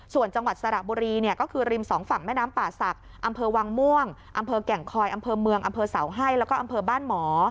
ส่วนจังหวัดสระบุรีเนี่ยก็คือริมสองฝั่งแม่น้ำป่าศักดิ์อำเภอวังม่วงอำเภอแก่งคอยอำเภอเมืองอำเภอเสาให้แล้วก็อำเภอบ้านหมอ